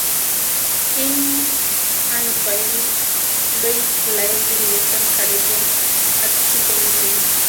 The Inuvialuit live in the western Canadian Arctic region.